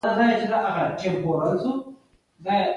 • مینه د تلپاتې یووالي راز دی.